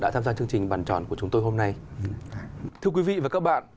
thưa quý vị và các bạn